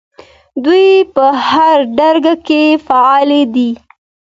دوی په هر ډګر کې فعالې دي.